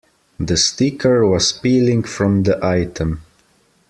The sticker was peeling from the item.